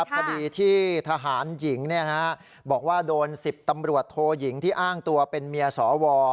คดีที่ทหารหญิงบอกว่าโดน๑๐ตำรวจโทยิงที่อ้างตัวเป็นเมียสว